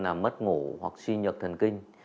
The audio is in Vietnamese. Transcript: là mất ngủ hoặc suy nhược thần kinh